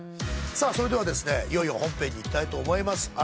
それではいよいよ本編にいきたいと思います。